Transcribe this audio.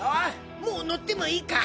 もう乗ってもいいか？